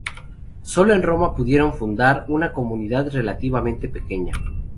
Sólo en Roma pudieron fundar una comunidad relativamente pequeña.